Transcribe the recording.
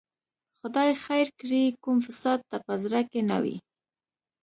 خدای خیر کړي، کوم فساد ته په زړه کې نه وي.